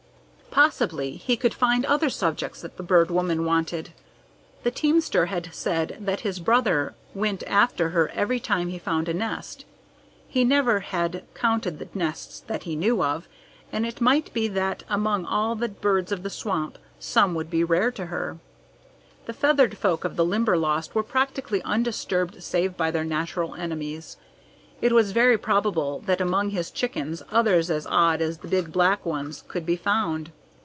Possibly he could find other subjects that the Bird Woman wanted. The teamster had said that his brother went after her every time he found a nest. He never had counted the nests that he knew of, and it might be that among all the birds of the swamp some would be rare to her. The feathered folk of the Limberlost were practically undisturbed save by their natural enemies. It was very probable that among his chickens others as odd as the big black ones could be found.